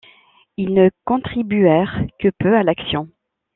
Ils ne contribuèrent que peu à l'action.